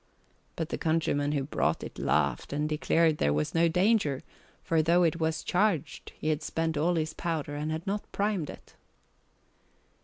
But the countryman who brought it laughed and declared there was no danger, for though it was charged he had spent all his powder and had not primed it.